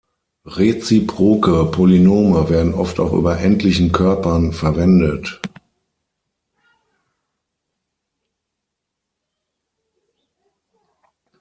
Reziproke Polynome werden oft auch über endlichen Körpern verwendet.